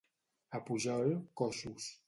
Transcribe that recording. A Pujol, coixos.